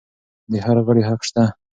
د هر غړي حق شته.